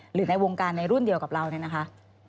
หรือในวงการในรุ่นเดียวกับเรานั้นนะคะ